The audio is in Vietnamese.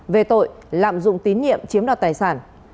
về tội lạm dụng tín nhiệm chiếm đoạt tài sản